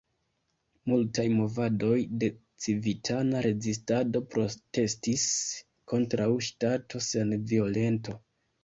Multaj movadoj de civitana rezistado protestis kontraŭ ŝtato sen violento.